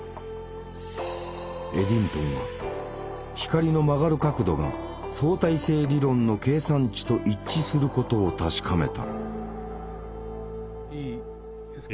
エディントンは光の曲がる角度が相対性理論の計算値と一致することを確かめた。